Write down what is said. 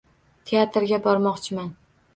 Teatrga bormoqchiman.